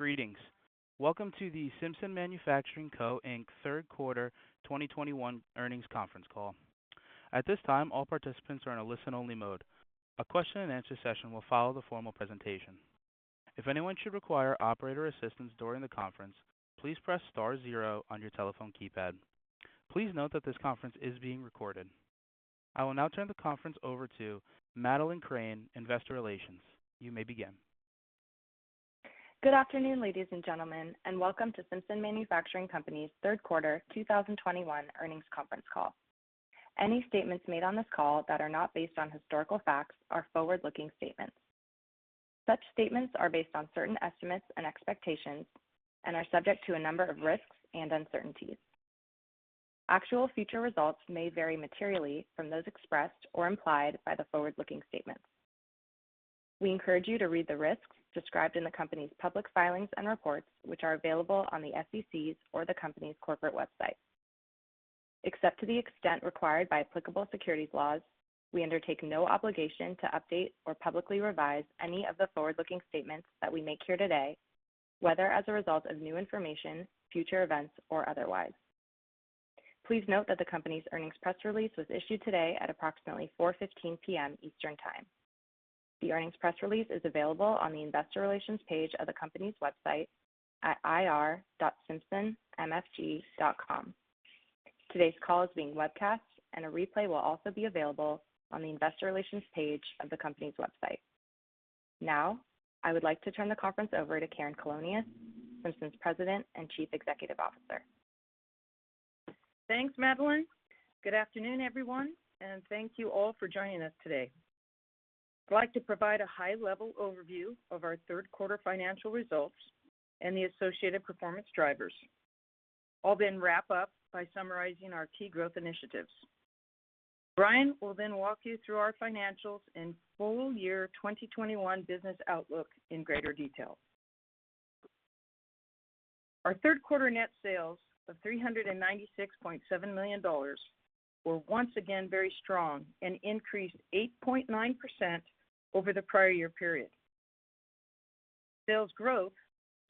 Greetings. Welcome to the Simpson Manufacturing Co., Inc. third quarter 2021 earnings conference call. At this time, all participants are in a listen-only mode. A question and answer session will follow the formal presentation. If anyone should require operator assistance during the conference, please press star zero on your telephone keypad. Please note that this conference is being recorded. I will now turn the conference over to Madeleine Crane, Investor Relations. You may begin. Good afternoon, ladies and gentlemen, and welcome to Simpson Manufacturing Company's third quarter 2021 earnings conference call. Any statements made on this call that are not based on historical facts are forward-looking statements. Such statements are based on certain estimates and expectations and are subject to a number of risks and uncertainties. Actual future results may vary materially from those expressed or implied by the forward-looking statements. We encourage you to read the risks described in the company's public filings and reports, which are available on the SEC's or the company's corporate website. Except to the extent required by applicable securities laws, we undertake no obligation to update or publicly revise any of the forward-looking statements that we make here today, whether as a result of new information, future events, or otherwise. Please note that the company's earnings press release was issued today at approximately 4:15 PM Eastern Time. The earnings press release is available on the investor relations page of the company's website at ir.simpsonmfg.com. Today's call is being webcast, and a replay will also be available on the investor relations page of the company's website. Now, I would like to turn the conference over to Karen Colonias, Simpson's President and Chief Executive Officer. Thanks, Madeleine. Good afternoon, everyone. Thank you all for joining us today. I'd like to provide a high-level overview of our third quarter financial results and the associated performance drivers. I'll wrap up by summarizing our key growth initiatives. Brian will walk you through our financials and full year 2021 business outlook in greater detail. Our third quarter net sales of $396.7 million were once again very strong and increased 8.9% over the prior year period. Sales growth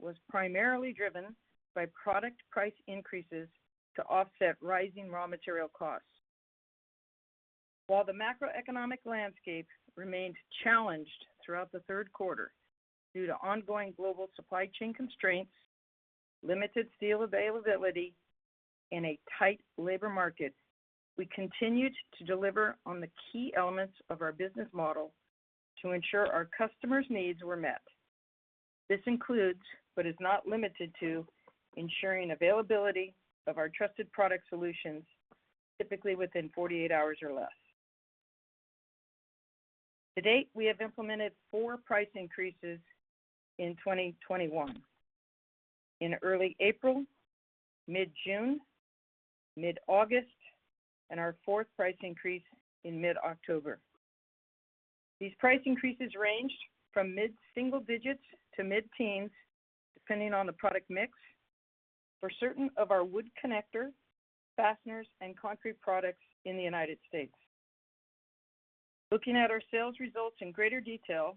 was primarily driven by product price increases to offset rising raw material costs. While the macroeconomic landscape remained challenged throughout the third quarter due to ongoing global supply chain constraints, limited steel availability, and a tight labor market, we continued to deliver on the key elements of our business model to ensure our customers' needs were met. This includes, but is not limited to, ensuring availability of our trusted product solutions, typically within 48 hours or less. To date, we have implemented four price increases in 2021. In early April, mid-June, mid-August, and our fourth price increase in mid-October. These price increases ranged from mid-single digits to mid-teens, depending on the product mix for certain of our wood connector, fasteners, and concrete products in the U.S. Looking at our sales results in greater detail,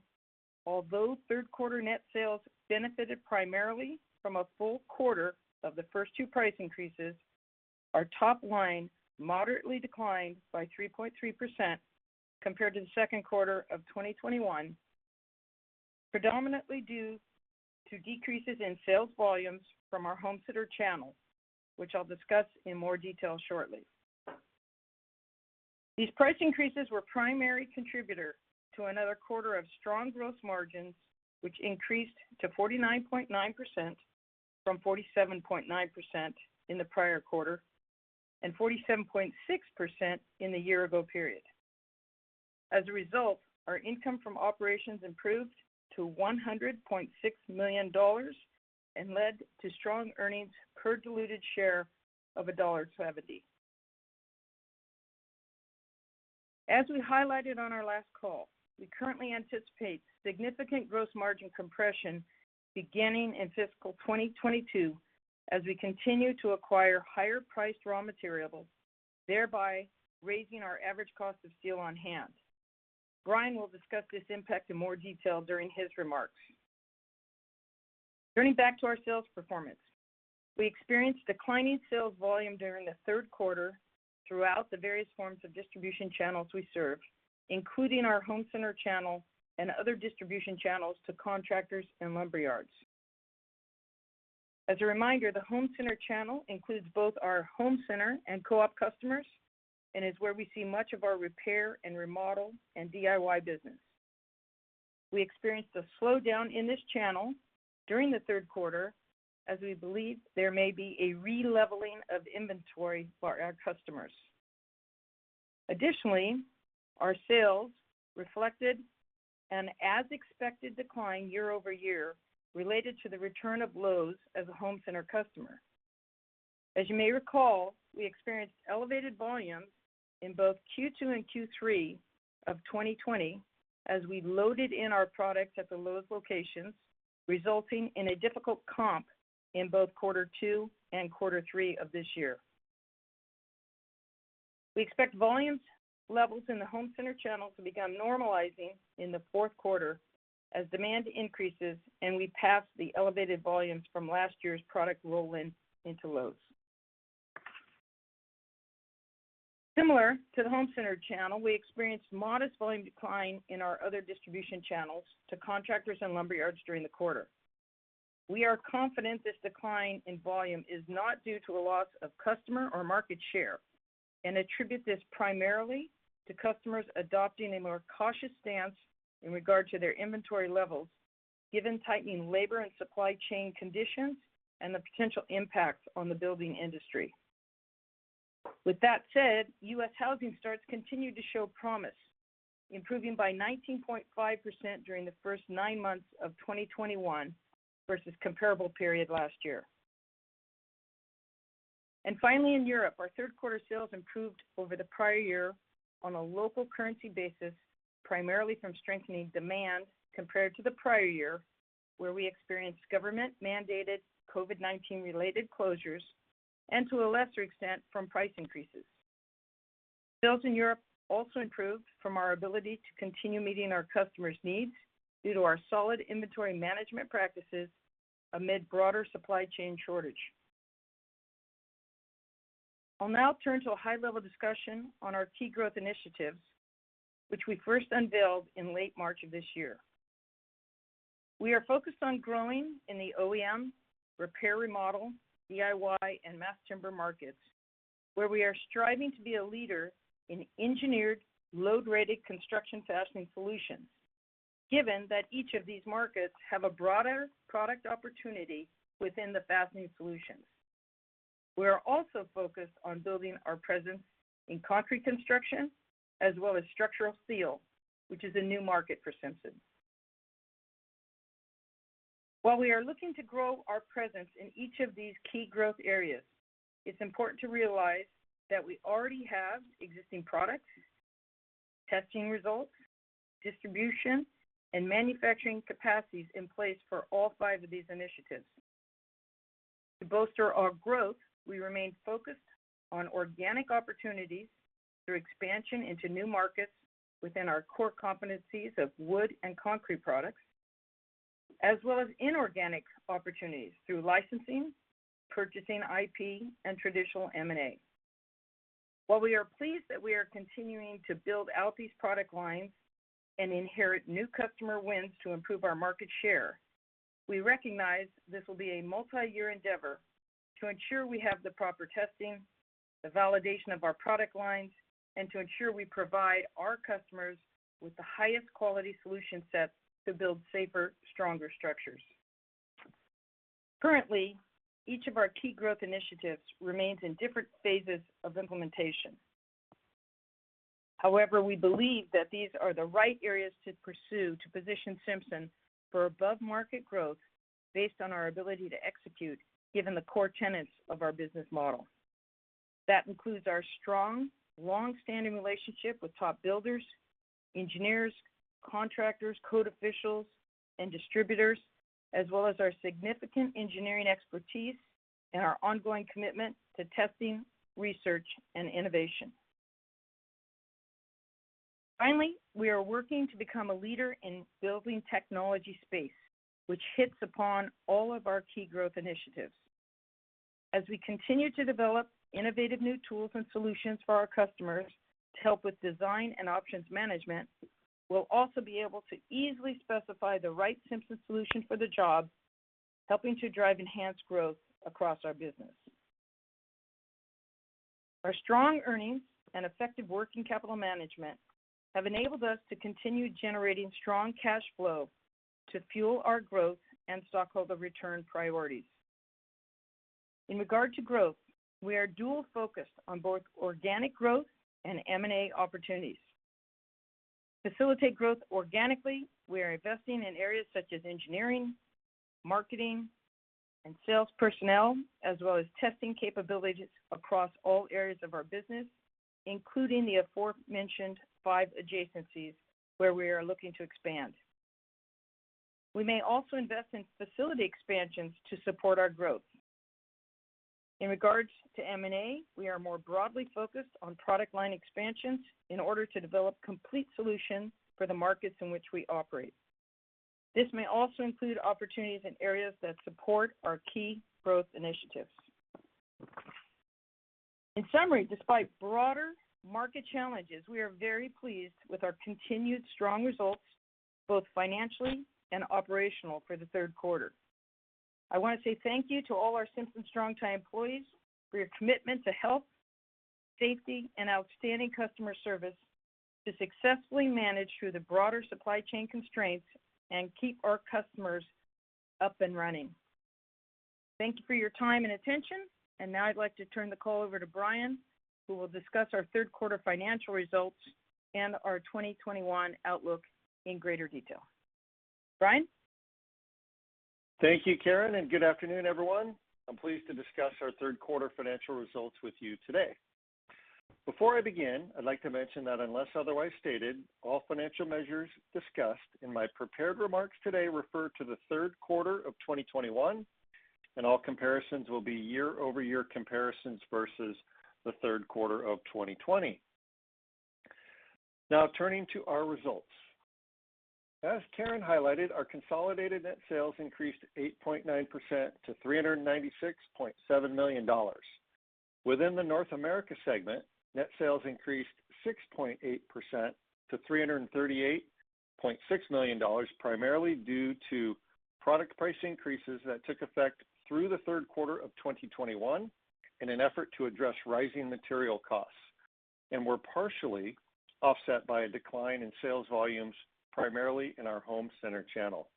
although third quarter net sales benefited primarily from a full quarter of the first two price increases, our top line moderately declined by 3.3% compared to the second quarter of 2021, predominantly due to decreases in sales volumes from our home center channel, which I'll discuss in more detail shortly. These price increases were a primary contributor to another quarter of strong gross margins, which increased to 49.9% from 47.9% in the prior quarter and 47.6% in the year-ago period. As a result, our income from operations improved to $100.6 million and led to strong earnings per diluted share of $1.70. As we highlighted on our last call, we currently anticipate significant gross margin compression beginning in fiscal 2022 as we continue to acquire higher-priced raw materials, thereby raising our average cost of steel on hand. Brian will discuss this impact in more detail during his remarks. Turning back to our sales performance. We experienced declining sales volume during the third quarter throughout the various forms of distribution channels we serve, including our home center channel and other distribution channels to contractors and lumber yards. As a reminder, the home center channel includes both our home center and co-op customers and is where we see much of our repair and remodel and DIY business. We experienced a slowdown in this channel during the third quarter as we believe there may be a re-leveling of inventory for our customers. Additionally, our sales reflected an as-expected decline year-over-year related to the return of Lowe's as a home center customer. As you may recall, we experienced elevated volumes in both Q2 and Q3 of 2020 as we loaded in our products at the Lowe's locations, resulting in a difficult comp in both quarter two and quarter three of this year. We expect volume levels in the home center channel to begin normalizing in the fourth quarter as demand increases and we pass the elevated volumes from last year's product roll-in into Lowe's. Similar to the home center channel, we experienced modest volume decline in our other distribution channels to contractors and lumberyards during the quarter. We are confident this decline in volume is not due to a loss of customer or market share and attribute this primarily to customers adopting a more cautious stance in regard to their inventory levels, given tightening labor and supply chain conditions and the potential impacts on the building industry. With that said, U.S. housing starts continue to show promise, improving by 19.5% during the first nine months of 2021 versus comparable period last year. Finally, in Europe, our third quarter sales improved over the prior year on a local currency basis, primarily from strengthening demand compared to the prior year, where we experienced government-mandated COVID-19-related closures, and to a lesser extent, from price increases. Sales in Europe also improved from our ability to continue meeting our customers' needs due to our solid inventory management practices amid broader supply chain shortage. I'll now turn to a high-level discussion on our key growth initiatives, which we first unveiled in late March of this year. We are focused on growing in the OEM, repair/remodel, DIY, and mass timber markets, where we are striving to be a leader in engineered, load-rated construction fastening solutions, given that each of these markets have a broader product opportunity within the fastening solutions. We are also focused on building our presence in concrete construction as well as structural steel, which is a new market for Simpson. While we are looking to grow our presence in each of these key growth areas, it's important to realize that we already have existing products, testing results, distribution, and manufacturing capacities in place for all five of these initiatives. To bolster our growth, we remain focused on organic opportunities through expansion into new markets within our core competencies of wood and concrete products, as well as inorganic opportunities through licensing, purchasing IP, and traditional M&A. While we are pleased that we are continuing to build out these product lines and inherit new customer wins to improve our market share, we recognize this will be a multi-year endeavor to ensure we have the proper testing, the validation of our product lines, and to ensure we provide our customers with the highest quality solution sets to build safer, stronger structures. Currently, each of our key growth initiatives remains in different phases of implementation. However, we believe that these are the right areas to pursue to position Simpson for above-market growth based on our ability to execute given the core tenets of our business model. That includes our strong, longstanding relationship with top builders, engineers, contractors, code officials, and distributors, as well as our significant engineering expertise and our ongoing commitment to testing, research, and innovation. Finally, we are working to become a leader in building technology space, which hits upon all of our key growth initiatives. As we continue to develop innovative new tools and solutions for our customers to help with design and options management, we'll also be able to easily specify the right Simpson solution for the job, helping to drive enhanced growth across our business. Our strong earnings and effective working capital management have enabled us to continue generating strong cash flow to fuel our growth and stockholder return priorities. In regard to growth, we are dual-focused on both organic growth and M&A opportunities. To facilitate growth organically, we are investing in areas such as engineering, marketing, and sales personnel, as well as testing capabilities across all areas of our business, including the aforementioned five adjacencies where we are looking to expand. We may also invest in facility expansions to support our growth. In regards to M&A, we are more broadly focused on product line expansions in order to develop complete solutions for the markets in which we operate. This may also include opportunities in areas that support our key growth initiatives. In summary, despite broader market challenges, we are very pleased with our continued strong results, both financially and operational, for the third quarter. I want to say thank you to all our Simpson Strong-Tie employees for your commitment to health, safety, and outstanding customer service to successfully manage through the broader supply chain constraints and keep our customers up and running. Thank you for your time and attention. Now I'd like to turn the call over to Brian, who will discuss our third quarter financial results and our 2021 outlook in greater detail. Brian? Thank you, Karen, and good afternoon, everyone. I'm pleased to discuss our third quarter financial results with you today. Before I begin, I'd like to mention that unless otherwise stated, all financial measures discussed in my prepared remarks today refer to the third quarter of 2021. All comparisons will be year-over-year comparisons versus the third quarter of 2020. Turning to our results. As Karen highlighted, our consolidated net sales increased 8.9% to $396.7 million. Within the North America segment, net sales increased 6.8% to $338.6 million, primarily due to product price increases that took effect through the third quarter of 2021 in an effort to address rising material costs, were partially offset by a decline in sales volumes, primarily in our home center channel.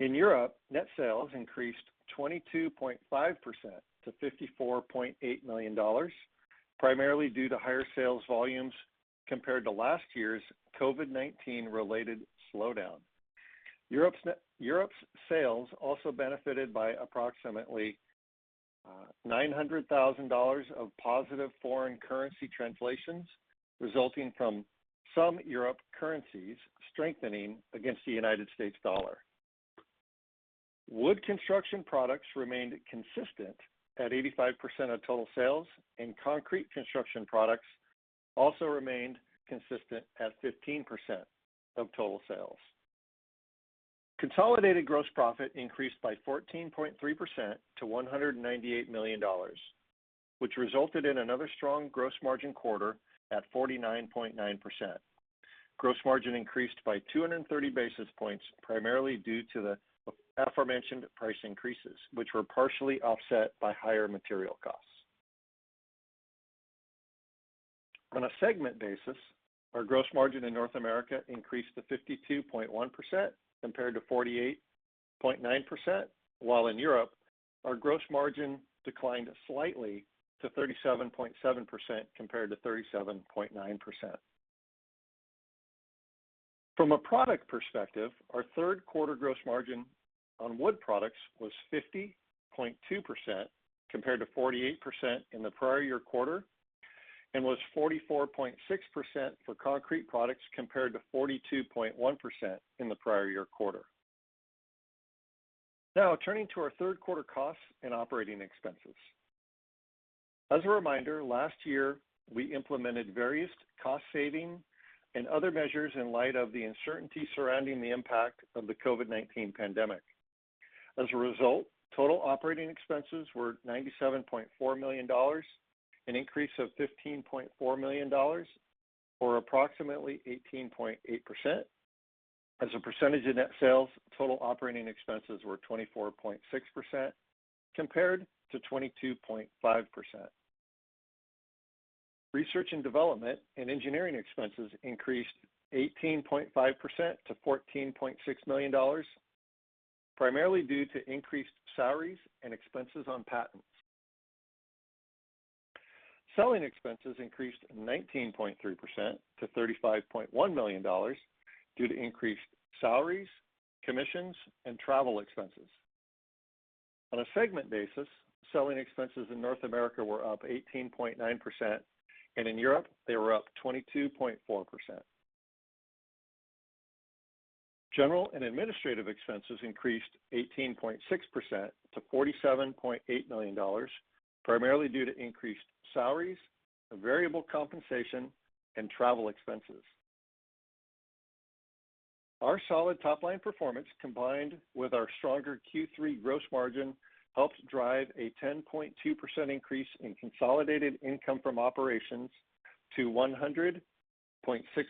In Europe, net sales increased 22.5% to $54.8 million, primarily due to higher sales volumes compared to last year's COVID-19 related slowdown. Europe's sales also benefited by approximately $900,000 of positive foreign currency translations, resulting from some Europe currencies strengthening against the United States dollar. wood construction products remained consistent at 85% of total sales, and concrete construction products also remained consistent at 15% of total sales. Consolidated gross profit increased by 14.3% to $198 million, which resulted in another strong gross margin quarter at 49.9%. Gross margin increased by 230 basis points, primarily due to the aforementioned price increases, which were partially offset by higher material costs. On a segment basis, our gross margin in North America increased to 52.1% compared to 48.9%, while in Europe our gross margin declined slightly to 37.7% compared to 37.9%. From a product perspective, our third quarter gross margin on wood products was 50.2% compared to 48% in the prior year quarter, and was 44.6% for concrete products compared to 42.1% in the prior year quarter. Now, turning to our third quarter costs and operating expenses. As a reminder, last year we implemented various cost saving and other measures in light of the uncertainty surrounding the impact of the COVID-19 pandemic. As a result, total operating expenses were $97.4 million, an increase of $15.4 million, or approximately 18.8%. As a % of net sales, total operating expenses were 24.6% compared to 22.5%. Research and development and engineering expenses increased 18.5% to $14.6 million, primarily due to increased salaries and expenses on patents. Selling expenses increased 19.3% to $35.1 million due to increased salaries, commissions, and travel expenses. On a segment basis, selling expenses in North America were up 18.9%, in Europe they were up 22.4%. General and administrative expenses increased 18.6% to $47.8 million, primarily due to increased salaries, variable compensation, and travel expenses. Our solid top-line performance, combined with our stronger Q3 gross margin, helped drive a 10.2% increase in consolidated income from operations to $100.6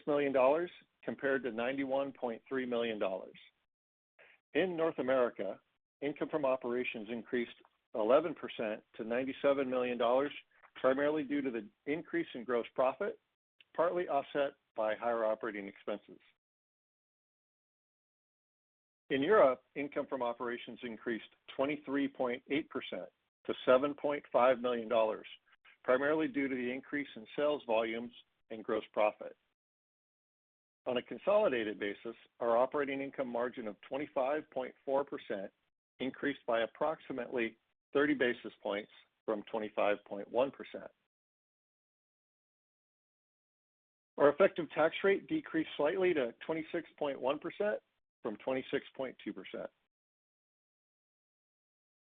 million compared to $91.3 million. In North America, income from operations increased 11% to $97 million, primarily due to the increase in gross profit, partly offset by higher operating expenses. In Europe, income from operations increased 23.8% to $7.5 million, primarily due to the increase in sales volumes and gross profit. On a consolidated basis, our operating income margin of 25.4% increased by approximately 30 basis points from 25.1%. Our effective tax rate decreased slightly to 26.1% from 26.2%.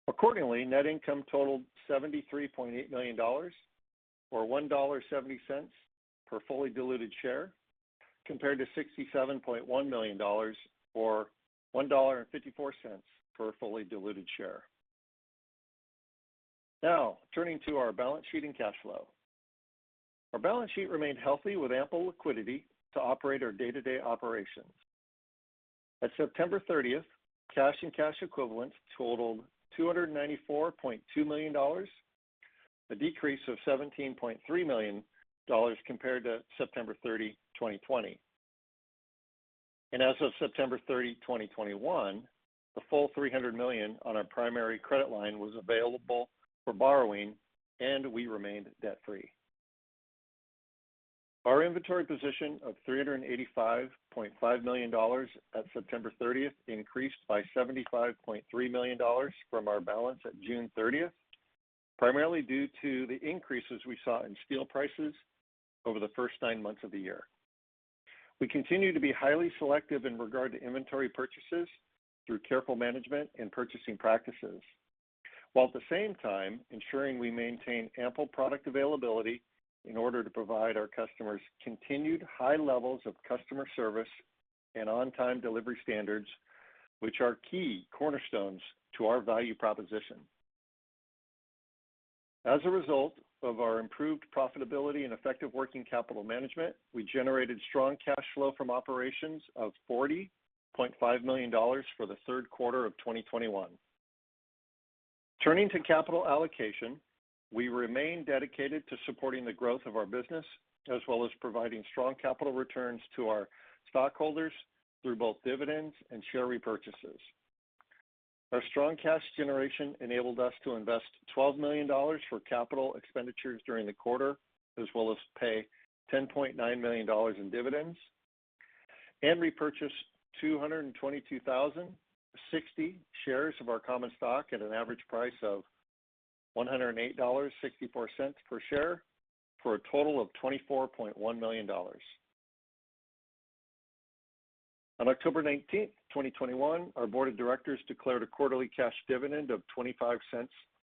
Accordingly, net income totaled $73.8 million, or $1.70 per fully diluted share, compared to $67.1 million, or $1.54 per fully diluted share. Turning to our balance sheet and cash flow. Our balance sheet remained healthy with ample liquidity to operate our day-to-day operations. At September 30, cash and cash equivalents totaled $294.2 million, a decrease of $17.3 million compared to September 30, 2020. As of September 30, 2021, the full $300 million on our primary credit line was available for borrowing, and we remained debt-free. Our inventory position of $385.5 million at September 30th increased by $75.3 million from our balance at June 30th, primarily due to the increases we saw in steel prices over the first nine months of the year. We continue to be highly selective in regard to inventory purchases through careful management and purchasing practices, while at the same time ensuring we maintain ample product availability in order to provide our customers continued high levels of customer service and on-time delivery standards, which are key cornerstones to our value proposition. As a result of our improved profitability and effective working capital management, we generated strong cash flow from operations of $40.5 million for the third quarter of 2021. Turning to capital allocation, we remain dedicated to supporting the growth of our business, as well as providing strong capital returns to our stockholders through both dividends and share repurchases. Our strong cash generation enabled us to invest $12 million for capital expenditures during the quarter, as well as pay $10.9 million in dividends and repurchase 222,060 shares of our common stock at an average price of $108.64 per share for a total of $24.1 million. On October 19th, 2021, our board of directors declared a quarterly cash dividend of $0.25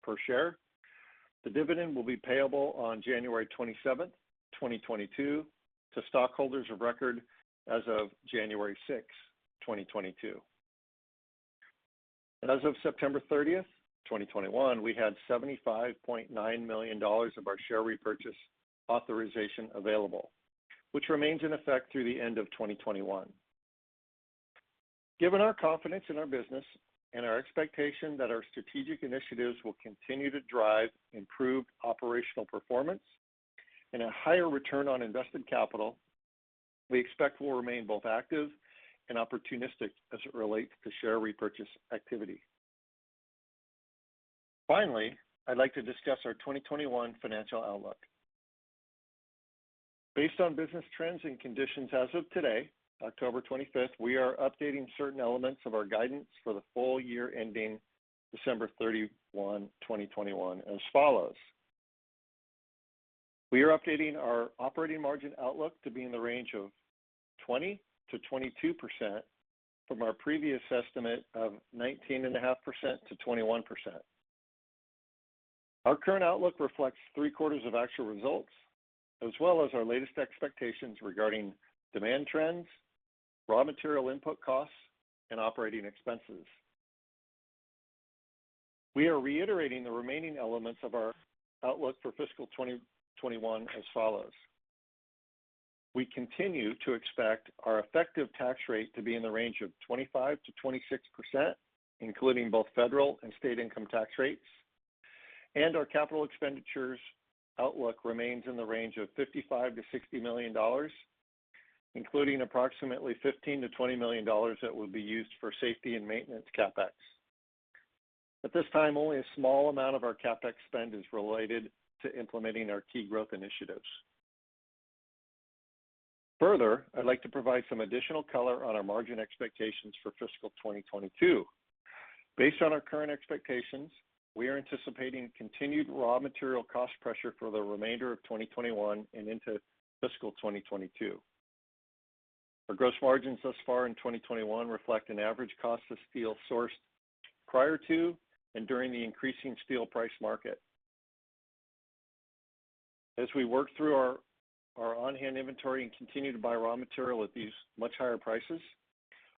per share. The dividend will be payable on January 27th, 2022, to stockholders of record as of January 6, 2022. As of September 30th, 2021, we had $75.9 million of our share repurchase authorization available, which remains in effect through the end of 2021. Given our confidence in our business and our expectation that our strategic initiatives will continue to drive improved operational performance and a higher return on invested capital, we expect we'll remain both active and opportunistic as it relates to share repurchase activity. Finally, I'd like to discuss our 2021 financial outlook. Based on business trends and conditions as of today, October 25th, we are updating certain elements of our guidance for the full year ending December 31, 2021 as follows. We are updating our operating margin outlook to be in the range of 20%-22% from our previous estimate of 19.5%-21%. Our current outlook reflects three quarters of actual results, as well as our latest expectations regarding demand trends, raw material input costs, and operating expenses. We are reiterating the remaining elements of our outlook for fiscal 2021 as follows. We continue to expect our effective tax rate to be in the range of 25%-26%, including both federal and state income tax rates, and our capital expenditures outlook remains in the range of $55 million-$60 million, including approximately $15 million-$20 million that will be used for safety and maintenance CapEx. At this time, only a small amount of our CapEx spend is related to implementing our key growth initiatives. I'd like to provide some additional color on our margin expectations for fiscal 2022. Based on our current expectations, we are anticipating continued raw material cost pressure for the remainder of 2021 and into fiscal 2022. Our gross margins thus far in 2021 reflect an average cost of steel sourced prior to and during the increasing steel price market. As we work through our on-hand inventory and continue to buy raw material at these much higher prices,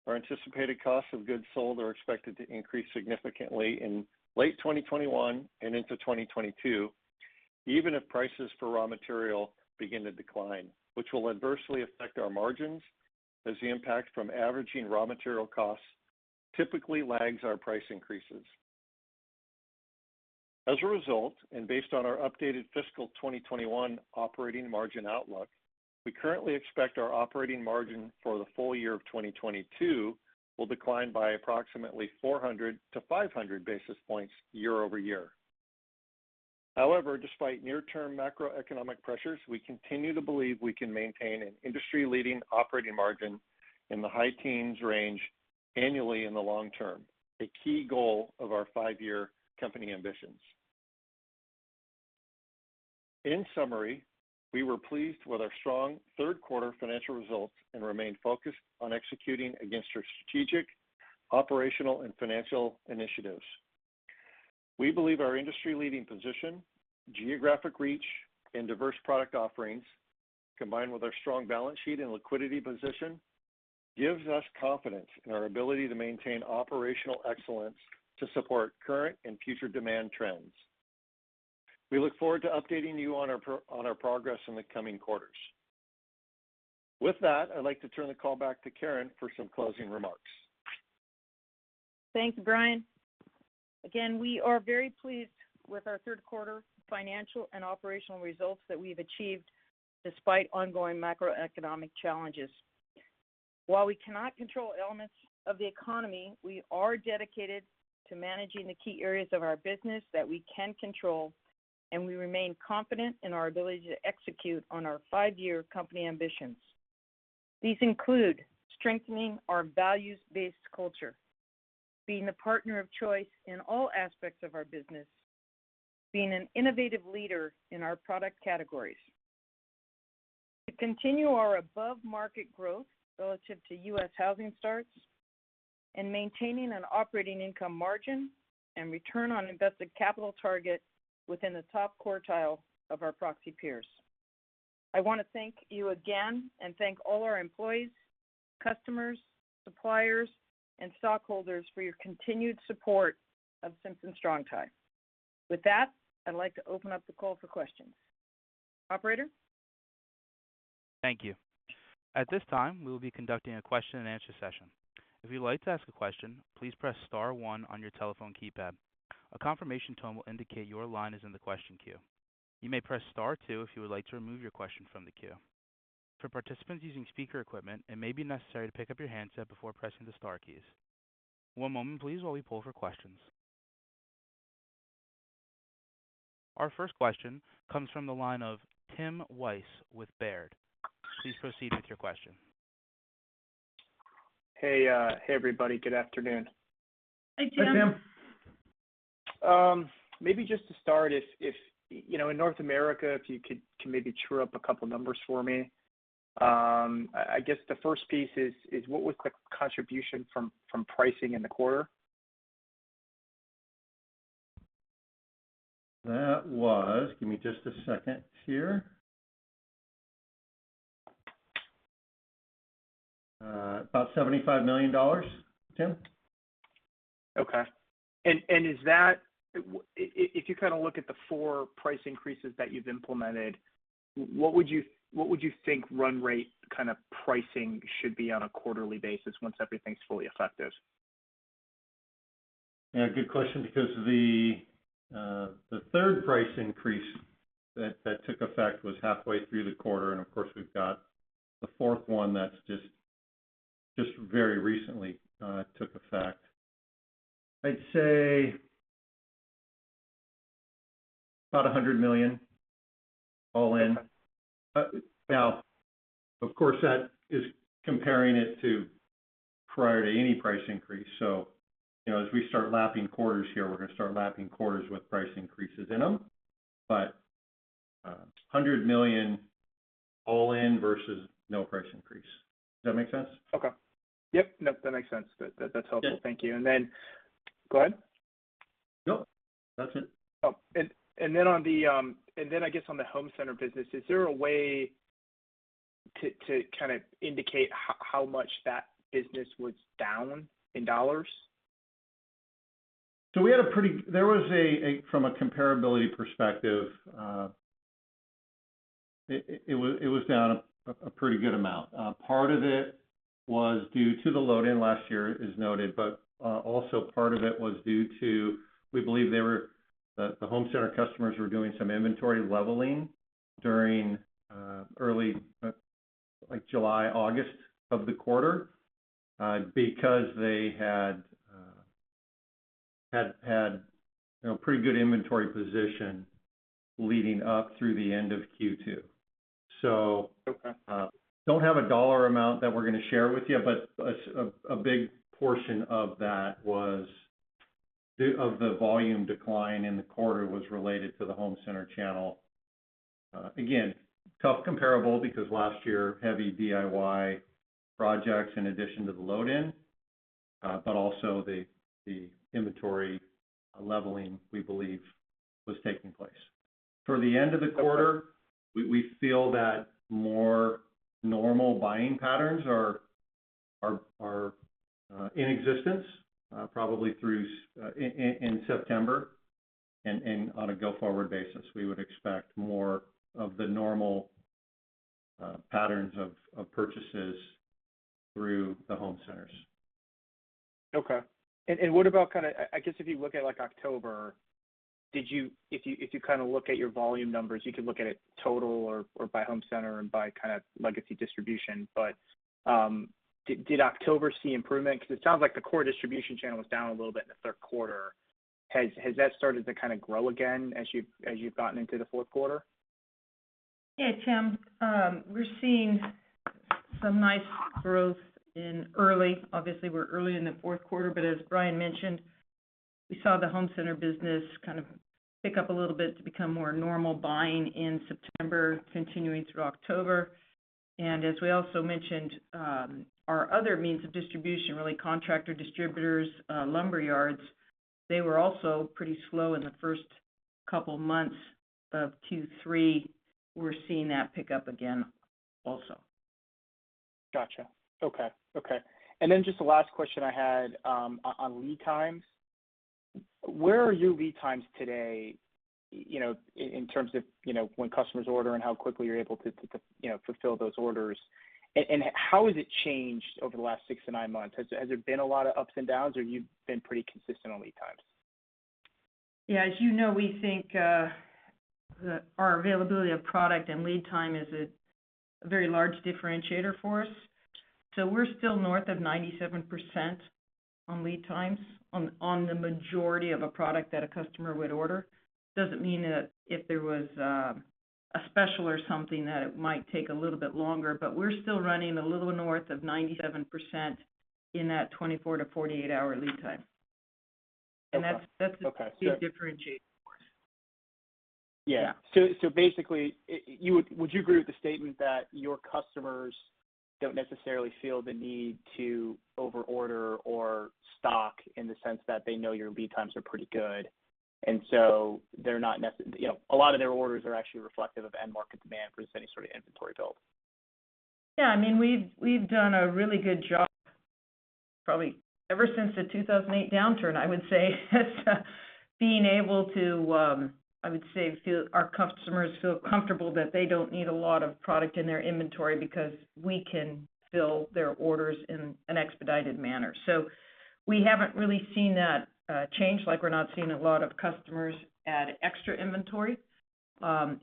our anticipated costs of goods sold are expected to increase significantly in late 2021 and into 2022, even if prices for raw material begin to decline, which will adversely affect our margins as the impact from averaging raw material costs typically lags our price increases. As a result, and based on our updated fiscal 2021 operating margin outlook, we currently expect our operating margin for the full year of 2022 will decline by approximately 400-500 basis points year-over-year. However, despite near-term macroeconomic pressures, we continue to believe we can maintain an industry-leading operating margin in the high teens range annually in the long term, a key goal of our 5-year company ambitions. In summary, we were pleased with our strong third quarter financial results and remain focused on executing against our strategic, operational, and financial initiatives. We believe our industry-leading position, geographic reach, and diverse product offerings, combined with our strong balance sheet and liquidity position, gives us confidence in our ability to maintain operational excellence to support current and future demand trends. We look forward to updating you on our progress in the coming quarters. With that, I'd like to turn the call back to Karen for some closing remarks. Thanks, Brian. Again, we are very pleased with our third quarter financial and operational results that we've achieved despite ongoing macroeconomic challenges. While we cannot control elements of the economy, we are dedicated to managing the key areas of our business that we can control, and we remain confident in our ability to execute on our five-year company ambitions. These include strengthening our values-based culture, being the partner of choice in all aspects of our business, being an innovative leader in our product categories. To continue our above-market growth relative to U.S. housing starts, and maintaining an operating income margin and return on invested capital target within the top quartile of our proxy peers. I want to thank you again and thank all our employees, customers, suppliers, and stockholders for your continued support of Simpson Strong-Tie. With that, I'd like to open up the call for questions. Operator? Thank you. At this time, we will be conducting a question-and-answer session. If you'd like to ask a question, please press star one on your telephone keypad. A confirmation tone will indicate your line is in the question queue. You may press star two if you would like to remove your question from the queue. For participants using speaker equipment, it may be necessary to pick up your handset before pressing the star keys. One moment please, while we poll for questions. Our first question comes from the line of Tim Wojs with Baird. Please proceed with your question. Hey, everybody. Good afternoon. Hi, Tim. Hi, Tim. Maybe just to start, in North America, if you could maybe chew up a couple of numbers for me. I guess the first piece is what was the contribution from pricing in the quarter? That was, give me just a second here. About $75 million, Tim. Okay. If you look at the 4 price increases that you've implemented, what would you think run rate pricing should be on a quarterly basis once everything's fully effective? Yeah, good question, because the third price increase that took effect was halfway through the quarter, and of course, we've got the fourth one that just very recently took effect. I'd say about $100 million all in. Okay. Of course, that is comparing it to prior to any price increase. As we start lapping quarters here, we're going to start lapping quarters with price increases in them. $100 million all in versus no price increase. Does that make sense? Okay. Yep. Nope, that makes sense. That's helpful. Yeah. Thank you. Go ahead? No. That's it. I guess on the home center business, is there a way to indicate how much that business was down in dollars? From a comparability perspective, it was down a pretty good amount. Part of it was due to the load-in last year as noted, but also part of it was due to, we believe the home center customers were doing some inventory leveling during early July, August of the quarter because they had pretty good inventory position leading up through the end of Q2. Okay. Don't have a dollar amount that we're going to share with you. A big portion of the volume decline in the quarter was related to the home center channel. Again, tough comparable because last year, heavy DIY projects in addition to the load in, but also the inventory leveling, we believe, was taking place. For the end of the quarter, we feel that more normal buying patterns are in existence, probably in September and on a go-forward basis. We would expect more of the normal patterns of purchases through the home centers. Okay. What about, I guess if you look at October, if you look at your volume numbers, you can look at it total or by home center and by legacy distribution. Did October see improvement? Because it sounds like the core distribution channel was down a little bit in the third quarter. Has that started to grow again as you've gotten into the fourth quarter? Tim. We're seeing some nice growth in early, obviously, we're early in the fourth quarter, but as Brian mentioned, we saw the home center business pick up a little bit to become more normal buying in September, continuing through October. As we also mentioned, our other means of distribution, really contractor distributors, lumber yards, they were also pretty slow in the first couple of months of Q3. We're seeing that pick up again also. Got you. Okay. Then just the last question I had on lead times. Where are your lead times today, in terms of when customers order and how quickly you're able to fulfill those orders? How has it changed over the last 6 to 9 months? Has there been a lot of ups and downs, or you've been pretty consistent on lead times? Yeah. As you know, we think our availability of product and lead time is a very large differentiator for us. We're still north of 97% on lead times on the majority of a product that a customer would order. Doesn't mean that if there was a special or something, that it might take a little bit longer. We're still running a little north of 97%, in that 24 to 48-hour lead time. Okay. That's a key differentiator for us. Yeah. Basically, would you agree with the statement that your customers don't necessarily feel the need to over-order or stock in the sense that they know your lead times are pretty good, and so a lot of their orders are actually reflective of end market demand versus any sort of inventory build? We've done a really good job, probably ever since the 2008 downturn, I would say, our customers feel comfortable that they don't need a lot of product in their inventory because we can fill their orders in an expedited manner. We haven't really seen that change. We're not seeing a lot of customers add extra inventory.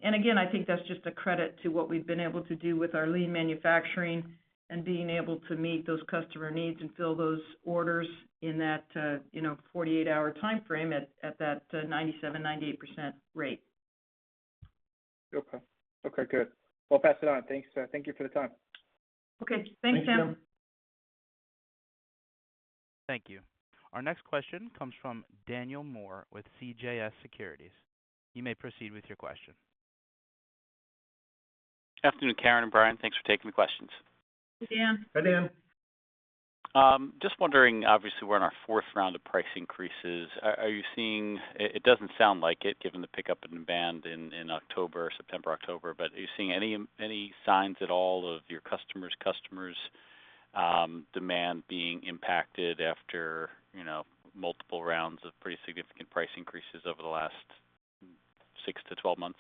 Again, I think that's just a credit to what we've been able to do with our lean manufacturing and being able to meet those customer needs and fill those orders in that 48-hour timeframe at that 97%-98% rate. Okay. Good. Well, pass it on. Thanks. Thank you for the time. Okay. Thanks, Tim. Thank you, Tim. Thank you. Our next question comes from Daniel Moore with CJS Securities. You may proceed with your question. Afternoon, Karen and Brian. Thanks for taking the questions. Hey, Dan. Hi, Dan. Just wondering, obviously, we're on our fourth round of price increases. It doesn't sound like it, given the pickup in demand in October, September, October, are you seeing any signs at all of your customers' demand being impacted after multiple rounds of pretty significant price increases over the last 6-12 months?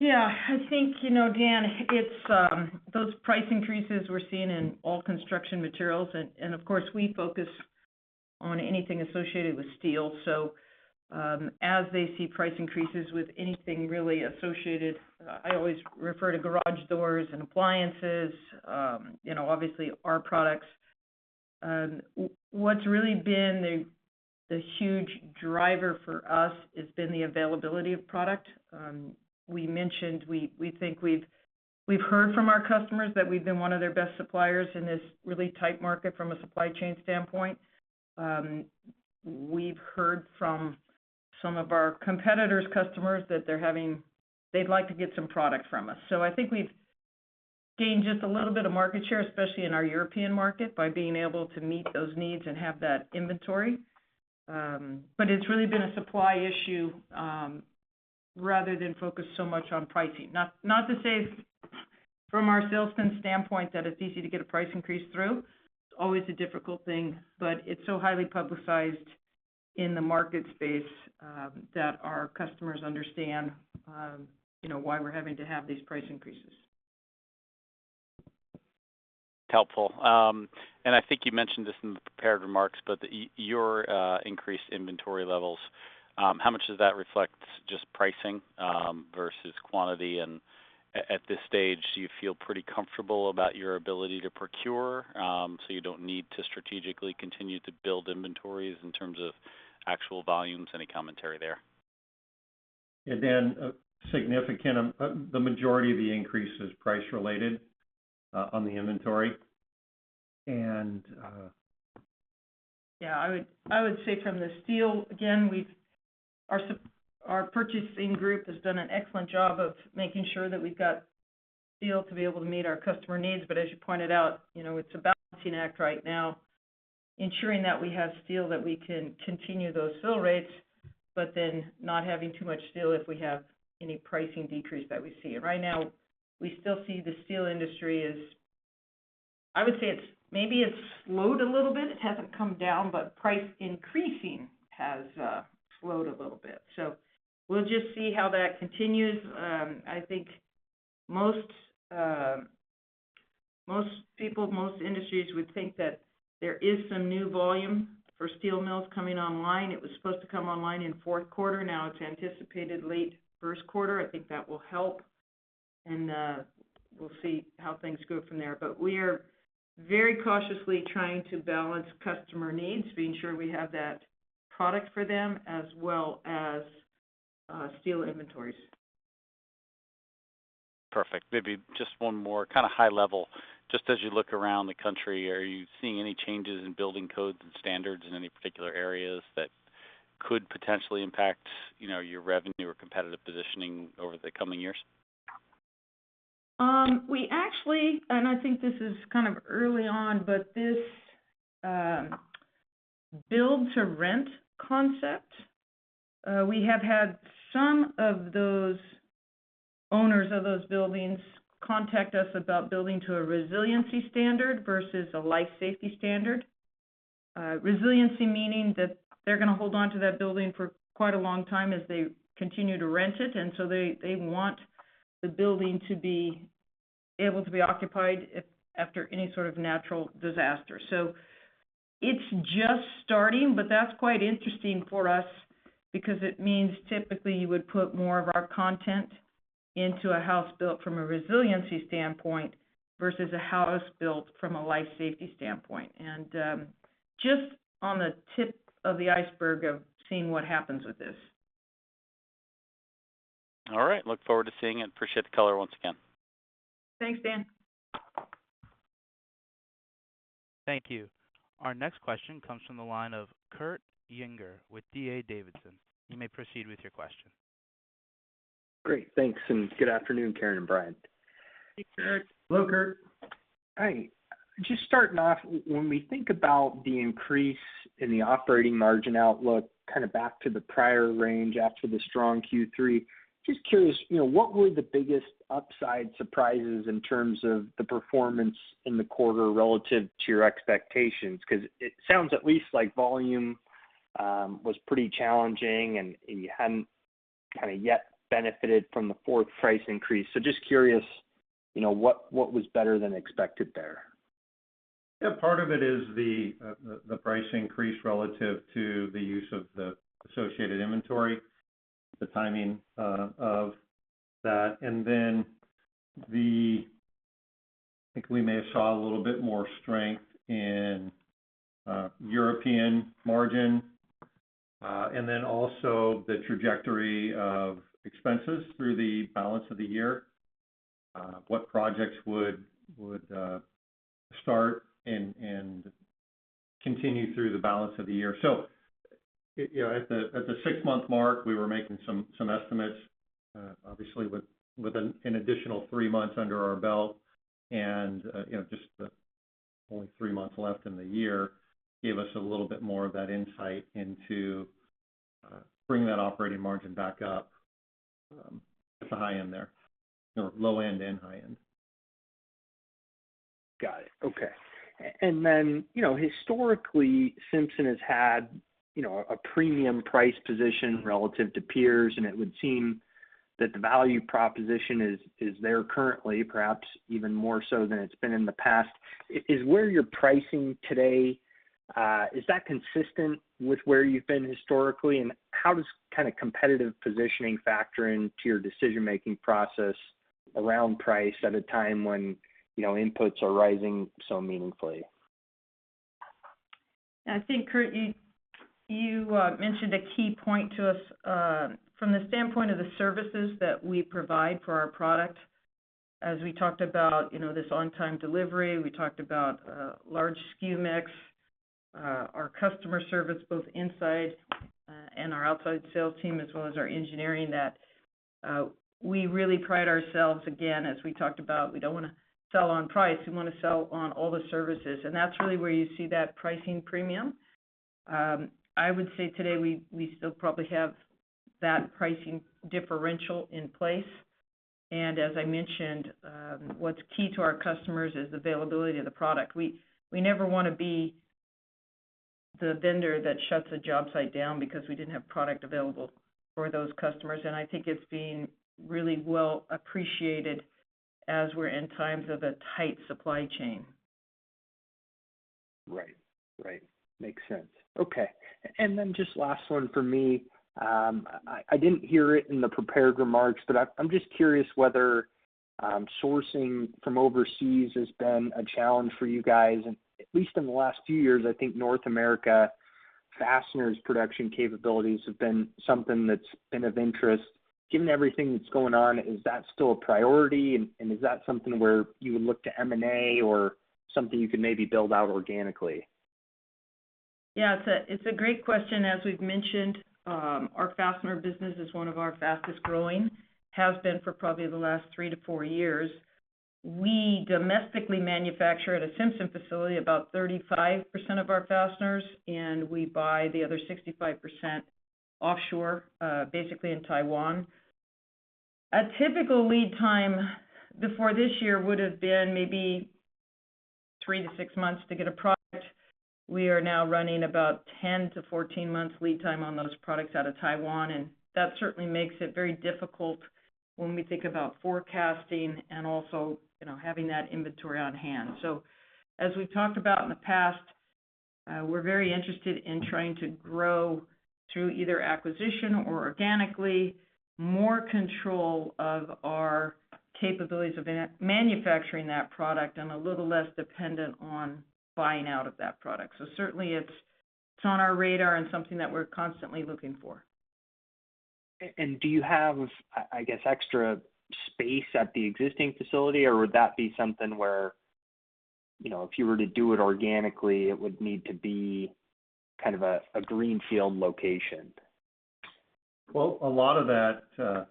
Yeah. I think, Dan, those price increases we're seeing in all construction materials. Of course, we focus on anything associated with steel. As they see price increases with anything really associated, I always refer to garage doors and appliances, obviously our products. What's really been the huge driver for us has been the availability of product. We mentioned we think we've heard from our customers that we've been one of their best suppliers in this really tight market from a supply chain standpoint. We've heard from some of our competitors' customers that they'd like to get some product from us. I think we've gained just a little bit of market share, especially in our European market, by being able to meet those needs and have that inventory. It's really been a supply issue, rather than focus so much on pricing. Not to say from our salesman standpoint that it's easy to get a price increase through. It's always a difficult thing, but it's so highly publicized in the market space that our customers understand why we're having to have these price increases. Helpful. I think you mentioned this in the prepared remarks, but your increased inventory levels, how much does that reflect just pricing versus quantity? At this stage, do you feel pretty comfortable about your ability to procure, so you don't need to strategically continue to build inventories in terms of actual volumes? Any commentary there? Yeah, Dan. The majority of the increase is price related on the inventory. Yeah. I would say from the steel, again, our purchasing group has done an excellent job of making sure that we've got steel to be able to meet our customer needs. As you pointed out, it's a balancing act right now, ensuring that we have steel that we can continue those fill rates, but then not having too much steel if we have any pricing decrease that we see. Right now, we still see the steel industry. I would say maybe it's slowed a little bit. It hasn't come down, but price increasing has slowed a little bit. We'll just see how that continues. I think most people, most industries would think that there is some new volume for steel mills coming online. It was supposed to come online in fourth quarter. Now it's anticipated late first quarter. I think that will help, and we'll see how things go from there. We are very cautiously trying to balance customer needs, being sure we have that product for them, as well as steel inventories. Perfect. Maybe just one more kind of high level. Just as you look around the country, are you seeing any changes in building codes and standards in any particular areas that could potentially impact your revenue or competitive positioning over the coming years? We actually, and I think this is kind of early on, but this build-to-rent concept, we have had some of those owners of those buildings contact us about building to a resiliency standard versus a life safety standard. Resiliency meaning that they're going to hold onto that building for quite a long time as they continue to rent it, and so they want the building to be able to be occupied after any sort of natural disaster. It's just starting, but that's quite interesting for us because it means typically you would put more of our content into a house built from a resiliency standpoint versus a house built from a life safety standpoint. Just on the tip of the iceberg of seeing what happens with this. All right. Look forward to seeing it. Appreciate the color once again. Thanks, Dan. Thank you. Our next question comes from the line of Kurt Yinger with D.A. Davidson. You may proceed with your question. Great, thanks, and good afternoon, Karen and Brian. Hey, Kurt. Hello, Kurt. Hi. Just starting off, when we think about the increase in the operating margin outlook, kind of back to the prior range after the strong Q3, just curious, what were the biggest upside surprises in terms of the performance in the quarter relative to your expectations? Because it sounds at least like volume was pretty challenging, and you hadn't kind of yet benefited from the fourth price increase. Just curious, what was better than expected there? Yeah. Part of it is the price increase relative to the use of the associated inventory, the timing of that. I think we may have saw a little bit more strength in European margin. Also the trajectory of expenses through the balance of the year, what projects would start and continue through the balance of the year. At the six-month mark, we were making some estimates. Obviously, with an additional three months under our belt and, just the only three months left in the year, gave us a little bit more of that insight into bringing that operating margin back up at the high end there, or low end and high end. Got it. Okay. Historically, Simpson has had a premium price position relative to peers, and it would seem that the value proposition is there currently, perhaps even more so than it's been in the past. Is where you're pricing today, is that consistent with where you've been historically? How does kind of competitive positioning factor into your decision-making process around price at a time when inputs are rising so meaningfully? I think, Kurt, you mentioned a key point to us. From the standpoint of the services that we provide for our product, as we talked about this on-time delivery, we talked about large SKU mix, our customer service, both inside and our outside sales team, as well as our engineering, that we really pride ourselves, again, as we talked about, we don't want to sell on price. We want to sell on all the services. That's really where you see that pricing premium. I would say today, we still probably have that pricing differential in place. As I mentioned, what's key to our customers is availability of the product. We never want to be the vendor that shuts a job site down because we didn't have product available for those customers, and I think it's been really well appreciated as we're in times of a tight supply chain. Right. Makes sense. Okay. Then just last one from me. I didn't hear it in the prepared remarks, but I'm just curious whether sourcing from overseas has been a challenge for you guys. At least in the last few years, I think North America fasteners production capabilities have been something that's been of interest. Given everything that's going on, is that still a priority? Is that something where you would look to M&A or something you could maybe build out organically? Yeah. It's a great question. As we've mentioned, our fastener business is one of our fastest-growing, has been for probably the last 3-4 years. We domestically manufacture at a Simpson facility about 35% of our fasteners, and we buy the other 65% offshore, basically in Taiwan. A typical lead time before this year would've been maybe 3-6 months to get a product. We are now running about 10-14 months lead time on those products out of Taiwan, and that certainly makes it very difficult when we think about forecasting and also having that inventory on hand. As we've talked about in the past, we're very interested in trying to grow through either acquisition or organically, more control of our capabilities of manufacturing that product and a little less dependent on buying out of that product. Certainly it's on our radar and something that we're constantly looking for. Do you have, I guess, extra space at the existing facility, or would that be something where if you were to do it organically, it would need to be kind of a greenfield location? A lot of that,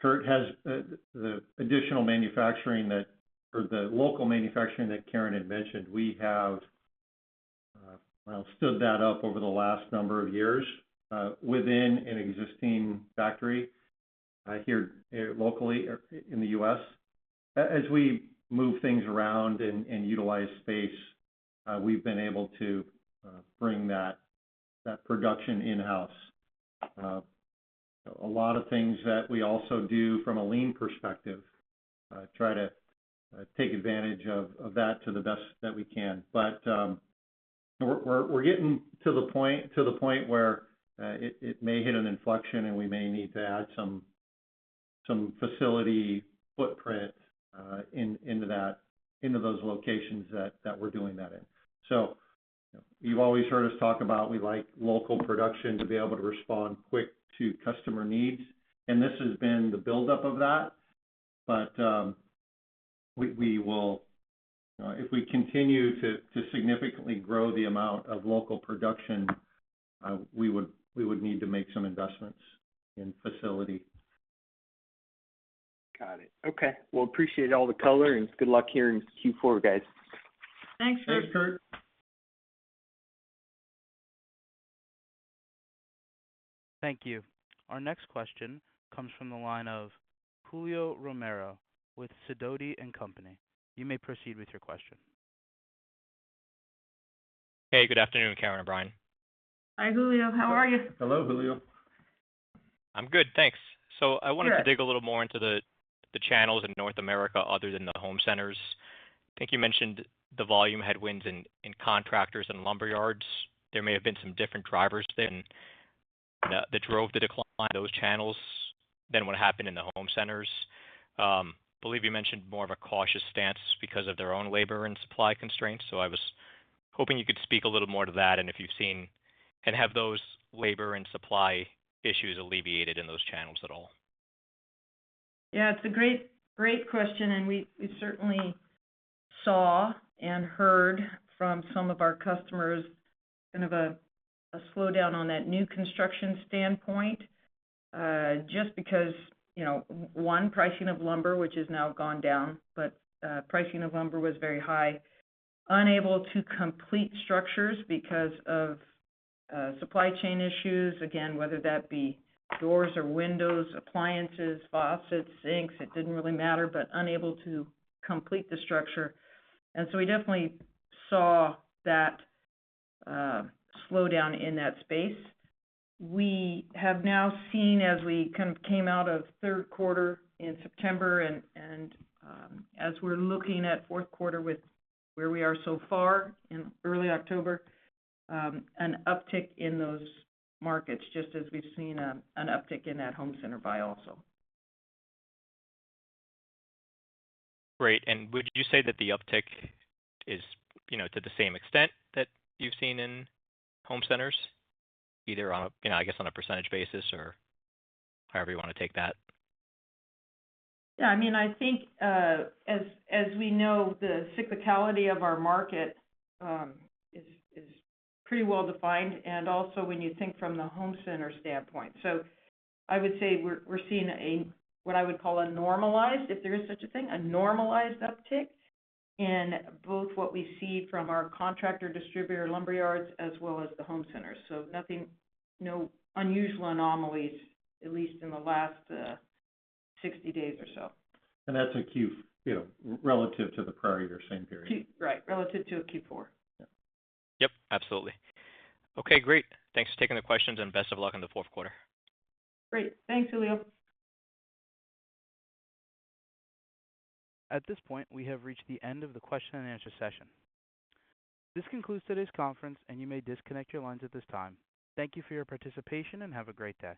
Kurt, has the local manufacturing that Karen had mentioned. We have stood that up over the last number of years, within an existing factory here locally in the U.S. As we move things around and utilize space, we've been able to bring that production in-house. A lot of things that we also do from a lean perspective, try to take advantage of that to the best that we can. We're getting to the point where it may hit an inflection and we may need to add some facility footprint into those locations that we're doing that in. You've always heard us talk about we like local production to be able to respond quick to customer needs, and this has been the buildup of that. If we continue to significantly grow the amount of local production, we would need to make some investments in facility. Got it. Okay. Well, appreciate all the color, and good luck here in Q4, guys. Thanks, Kurt. Thanks, Kurt. Thank you. Our next question comes from the line of Julio Romero with Sidoti & Company. You may proceed with your question. Hey, good afternoon, Karen and Brian. Hi, Julio. How are you? Hello, Julio. I'm good, thanks. I wanted to dig a little more into the channels in North America other than the home centers. I think you mentioned the volume headwinds in contractors and lumberyards. There may have been some different drivers then that drove the decline of those channels than what happened in the home centers. I believe you mentioned more of a cautious stance because of their own labor and supply constraints. I was hoping you could speak a little more to that and if you've seen, and have those labor and supply issues alleviated in those channels at all? Yeah, it's a great question, and we certainly saw and heard from some of our customers kind of a slowdown on that new construction standpoint, just because, one, pricing of lumber, which has now gone down, but pricing of lumber was very high. Unable to complete structures because of supply chain issues. Again, whether that be doors or windows, appliances, faucets, sinks, it didn't really matter, but unable to complete the structure. We definitely saw that slowdown in that space. We have now seen, as we kind of came out of third quarter in September and as we're looking at fourth quarter with where we are so far in early October, an uptick in those markets, just as we've seen an uptick in that home center buy also. Great. Would you say that the uptick is to the same extent that you've seen in home centers, either on, I guess, on a % basis or however you want to take that? Yeah, I think, as we know, the cyclicality of our market is pretty well-defined, also when you think from the home center standpoint. I would say we're seeing what I would call a normalized, if there is such a thing, a normalized uptick in both what we see from our contractor distributor lumberyards as well as the home centers. Nothing, no unusual anomalies, at least in the last 60 days or so. That's relative to the prior year same period. Right. Relative to Q4. Yeah. Yep, absolutely. Okay, great. Thanks for taking the questions, and best of luck on the fourth quarter. Great. Thanks, Julio. At this point, we have reached the end of the question and answer session. This concludes today's conference, and you may disconnect your lines at this time. Thank you for your participation, and have a great day.